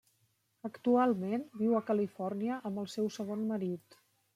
Actualment viu a Califòrnia amb el seu segon marit.